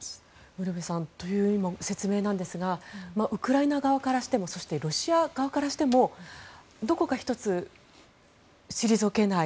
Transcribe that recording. ウルヴェさんという説明なんですがウクライナ側からしてもそして、ロシア側からしてもどこか１つ、退けない